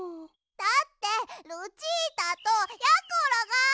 だってルチータとやころが！